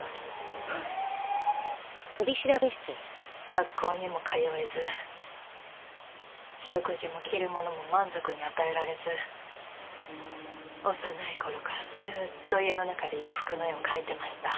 学校にも通えず食事も着るものも満足に与えられず幼い頃からずっと家の中で洋服の絵を描いてました。